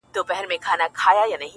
حقيقت بايد ومنل سي دلته,